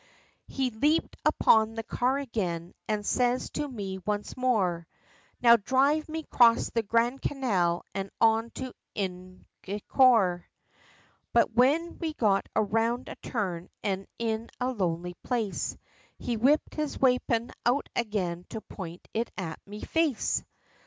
He leaped upon the car again, an' says to me, once more, "Now, dhrive me 'cross the grand canal, and on to Inchicore," But when we got around a turn, an' in a lonely place, He whipped his waypon out again, to point it at me face!